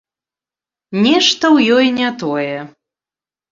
Нешта ў ёй не тое.